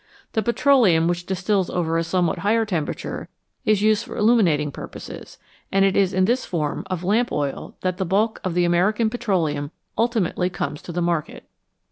The petroleum which distils over at a somewhat higher temperature is used for illuminating purposes, and it is in this form of lamp oil that the bulk of the American petroleum ultimately comes into the market.